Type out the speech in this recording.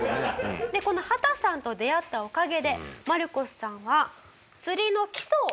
この秦さんと出会ったおかげでマルコスさんは。